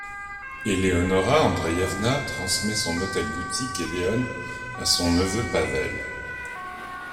Eleonora Andreyevna transmet son hôtel-boutique Eleon à son neveu Pavel.